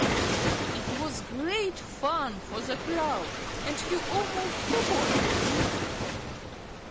It was great fun for the Crow, and he almost forgot to be miserable.